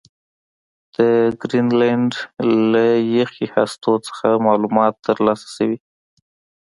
د ګرینلنډ له یخي هستو څخه معلومات ترلاسه شوي